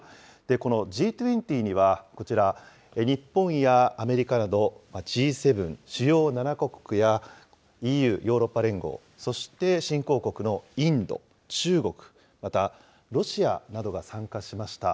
このＧ２０にはこちら、日本やアメリカなど、Ｇ７・主要７か国や、ＥＵ・ヨーロッパ連合、そして新興国のインド、中国、またロシアなどが参加しました。